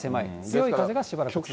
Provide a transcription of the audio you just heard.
強い風がしばらく続く。